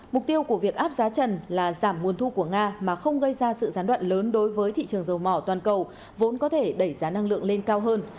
mục tiêu của việc áp giá trần là giảm nguồn thu của nga mà không gây ra sự gián đoạn lớn đối với thị trường dầu mỏ toàn cầu vốn có thể đẩy giá năng lượng lên cao hơn